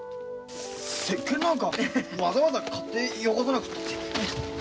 せっけんなんかわざわざ買ってよこさなくたって。